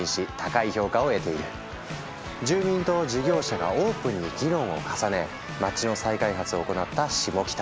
住民と事業者がオープンに議論を重ね街の再開発を行ったシモキタ。